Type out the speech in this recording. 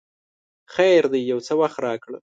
خیر دی یو څه وخت راکړه!